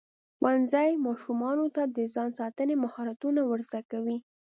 ښوونځی ماشومانو ته د ځان ساتنې مهارتونه ورزده کوي.